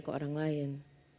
ke orang lain